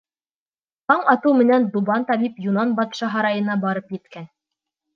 Таң атыу менән Дубан табип Юнан батша һарайына барып еткән.